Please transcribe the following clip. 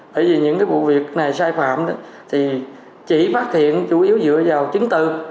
bởi vì những cái vụ việc này sai phạm thì chỉ phát hiện chủ yếu dựa vào chứng từ